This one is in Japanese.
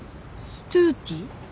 ストゥーティー？